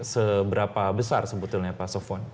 seberapa besar sebetulnya pasofon